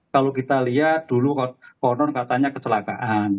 kalau kita lihat dulu konon katanya kecelakaan